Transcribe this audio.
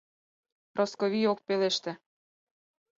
Росковий ок пелеште.